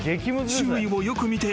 周囲をよく見て。